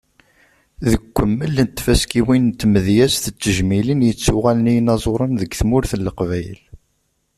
Deg ukemmel n tfaskiwin n tmedyazt d tejmilin i yettuɣalen i yinaẓuren deg tmurt n Leqbayel.